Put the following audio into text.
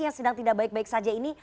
yang sedang tidak baik baik saja ini